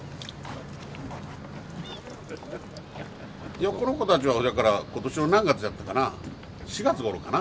いやこの子たちはじゃから今年の何月じゃったかな４月ごろかな。